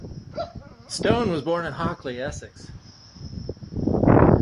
Stone was born in Hockley, Essex.